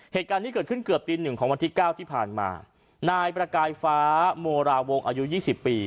เหตุการณ์นี้เกิดขึ้นเกือบตีหนึ่งของวันที่เก้าที่ผ่านมานายประกายฟ้าโมราวงอายุยี่สิบปี